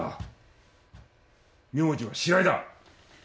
名字は白井だ！